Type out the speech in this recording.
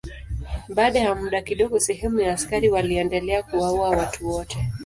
Baada ya muda kidogo sehemu ya askari waliendelea kuwaua watu wote.